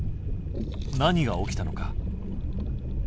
何が起きたのか。